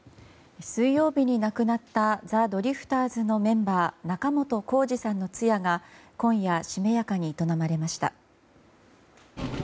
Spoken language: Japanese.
水曜日に亡くなったザ・ドリフターズのメンバー仲本工事さんの通夜が今夜、しめやかに営まれました。